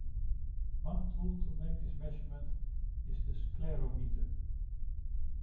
One tool to make this measurement is the sclerometer.